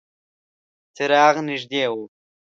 څراغ نږدې و.